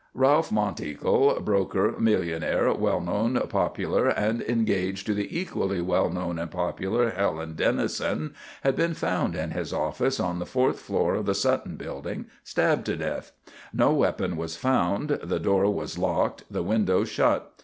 Ralph Monteagle, broker, millionaire, well known, popular, and engaged to the equally well known and popular Helen Dennison, had been found in his office on the fourth floor of the Sutton Building, stabbed to death. No weapon was found, the door was locked, the window shut.